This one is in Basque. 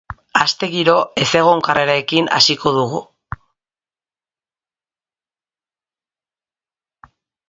Aste giro ezegonkorrarekin hasiko dugu.